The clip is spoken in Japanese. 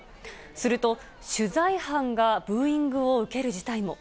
すると、取材班がブーイングを受ける事態も。